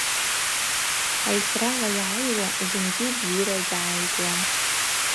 Айсрала йгӏайуа зынгьи бзира гьгӏайгуам.